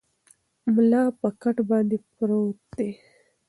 ملا پر کټ باندې پروت دی.